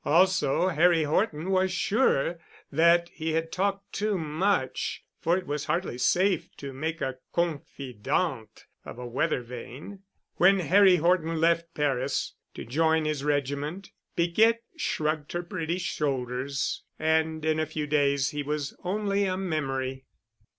Also, Harry Horton was sure that he had talked too much, for it was hardly safe to make a confidante of a weathervane. When Harry Horton left Paris to join his regiment, Piquette shrugged her pretty shoulders and in a few days he was only a memory.